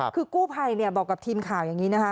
คือกูไพบอกกับทีมข่าวอย่างนี้ค่ะ